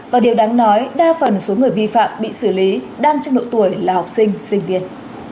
và điều đáng nói đa phần số người vi phạm bị xử lý đang trong độ tuổi là học sinh sinh viên